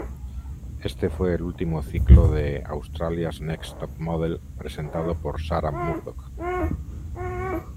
Este fue el último ciclo de "Australia's Next Top Model" presentado por Sarah Murdoch.